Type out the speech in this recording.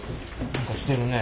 何かしてるね。